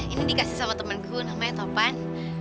ini dikasih sama temenku namanya topan